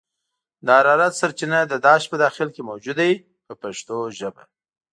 د حرارت سرچینه د داش په داخل کې موجوده وي په پښتو ژبه.